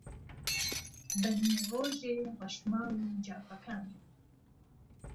بهنیو رۆژێ رهشماڵی جافهکانی